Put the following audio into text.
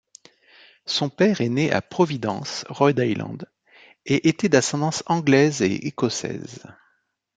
Son père est né à Providence, Rhode Island, et était d'ascendance anglaise et écossaise.